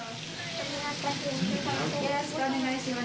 よろしくお願いします。